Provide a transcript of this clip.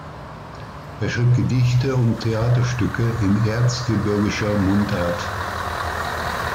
Er schrieb Gedichte und Theaterstücke in erzgebirgischer Mundart.